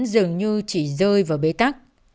dường như chỉ rơi vào bế tắc